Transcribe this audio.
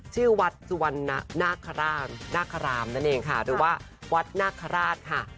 ชื่อวัดสุวรรณนาคาราชนาคารามนั่นเองค่ะหรือว่าวัดนาคาราชค่ะ